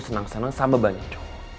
seneng seneng sama banyak